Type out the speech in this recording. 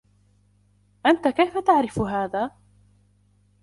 أنتَ كيف تعرف هذا ؟